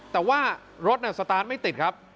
แต่ว่ารถสตาร์ทไม่ติดครับ